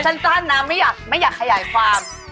สั้นนะไม่อยากขยายความ